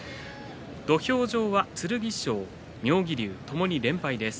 土俵上は剣翔と妙義龍ともに連敗です。